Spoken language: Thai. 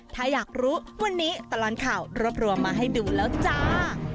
ถ้าอยากรู้วันนี้ตลอดข่าวรวบรวมมาให้ดูแล้วจ้า